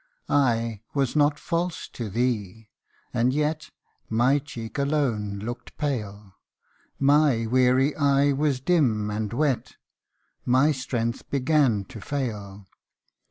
I WAS not false to thee, and yet My cheek alone looked pale ; My weary eye was dim and wet, My strength began to fail.